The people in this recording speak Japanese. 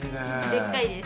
でっかいです。